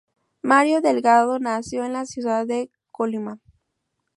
Mario Delgado nació en la Ciudad de Colima.